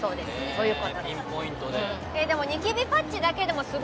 そういうことです